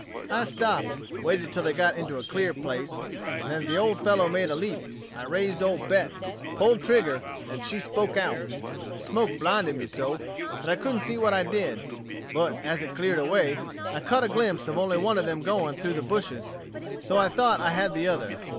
I stopped, waited till they got into a clear place, and as the old fellow made a leap, I raised old Bet, pulled trigger, and she spoke out. The smoke blinded me so, that I couldn't see what I did; but as it cleared away, I caught a glimpse of only one of them going through the bushes; so I thought I had the other.